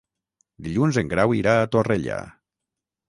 Dilluns en Grau irà a Torrella.